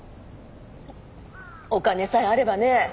お金さえあればね